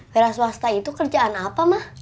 wira swasta itu kerjaan apa ma